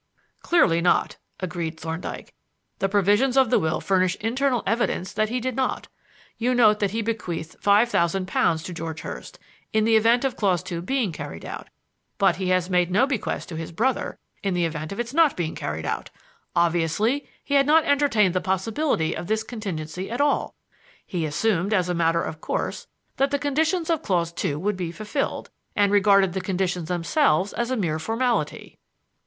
"Clearly not," agreed Thorndyke; "the provisions of the will furnish internal evidence that he did not. You note that he bequeathed five thousand pounds to George Hurst, in the event of clause two being carried out; but he has made no bequest to his brother in the event of its not being carried out. Obviously, he had not entertained the possibility of this contingency at all. He assumed, as a matter of course, that the conditions of clause two would be fulfilled, and regarded the conditions themselves as a mere formality."